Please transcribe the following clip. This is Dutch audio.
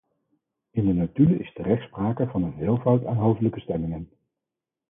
In de notulen is terecht sprake van een veelvoud aan hoofdelijke stemmingen.